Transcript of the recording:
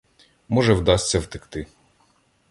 Може, вдасться втекти.